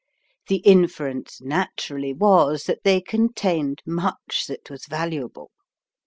The inference naturally was that they contained much that was valuable.